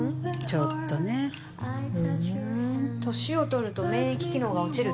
ちょっとねふうん歳を取ると免疫機能が落ちるっていうでしょ